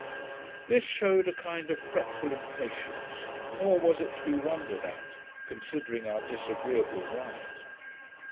This shewed a kind of fretful impatience; nor was it to be wondered at, considering our disagreeable ride.